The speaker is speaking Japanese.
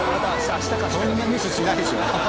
そんなミスしないでしょ。